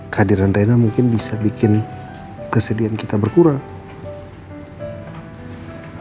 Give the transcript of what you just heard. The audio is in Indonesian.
kehadiran rena mungkin bisa bikin kesedihan kita berkurang